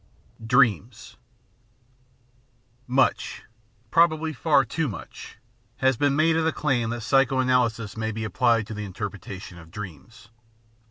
§e Dreams Much, probably far too much, has been made of the claim that psycho analysis may be applied to the interpretation of dreams.